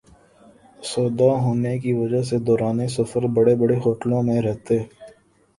آسودہ ہونے کی وجہ سے دوران سفر بڑے بڑے ہوٹلوں میں رہتے